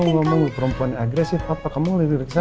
enggak kamu ngomong perempuan agresif apa kamu ngelirik lirik saya